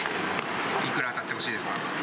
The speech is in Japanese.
いくら当たってほしいですか？